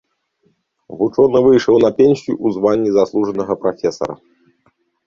Вучоны выйшаў на пенсію ў званні заслужанага прафесара.